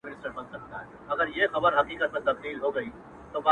دا چي زه څه وايم ـ ته نه پوهېږې ـ څه وکمه ـ